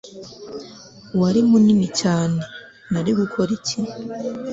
wari munini cyane! nari gukora iki